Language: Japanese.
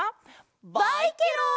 バイケロン！